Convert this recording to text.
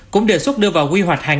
cũng đề xuất đưa vào quy hoạch